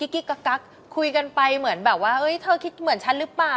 กิ๊กกักคุยกันไปเหมือนแบบว่าเธอคิดเหมือนฉันหรือเปล่า